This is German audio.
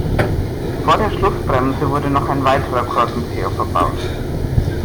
Vor der Schlussbremse wurde noch ein weiterer Korkenzieher verbaut.